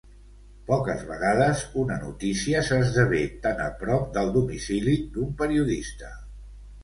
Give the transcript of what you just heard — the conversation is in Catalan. Poques vegades una notícia s'esdevé tan a prop del domicili d'un periodista.